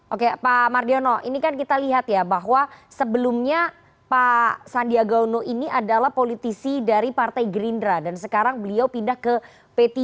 oke pak mardiono ini kan kita lihat ya bahwa sebelumnya pak sandiaga uno ini adalah politisi dari partai gerindra dan sekarang beliau pindah ke p tiga